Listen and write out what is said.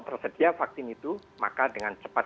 tersedia vaksin itu maka dengan cepat